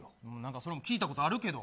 それも聞いたことあるけど。